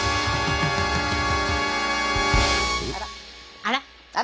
あららら。